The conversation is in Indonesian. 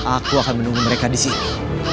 aku akan menunggu mereka disini